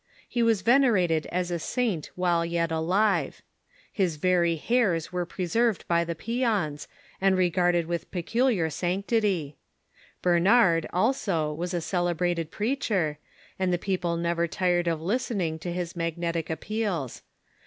He was venerated as a saint while yet alive. His very hairs were preserved by the pious, and regarded with CHRISTIAN WORSHIP 167 peculiar sanctity, Bernharcl, also, was a celebrated preacher, and the people never tired of listening to liis magnetic ap peals.